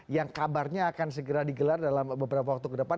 yang kabarnya akan segera digelar dalam beberapa waktu ke depan